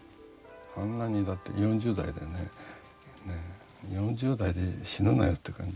あんなにだって４０代でね４０代で死ぬなよって感じ。